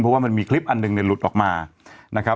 เพราะว่ามันมีคลิปอันหนึ่งเนี่ยหลุดออกมานะครับ